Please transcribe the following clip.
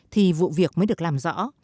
thì vụ việc mới được làm rõ